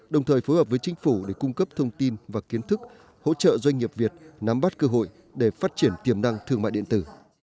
đồng thời phối hợp với chính phủ để cung cấp thông tin và kiến thức hỗ trợ doanh nghiệp việt nắm bắt cơ hội để phát triển tiềm năng thương mại điện tử